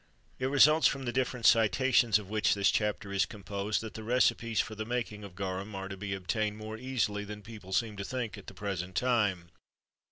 It results from the different citations of which this chapter is composed, that recipes for the making of garum are to be obtained more easily than people seem to think at the present time.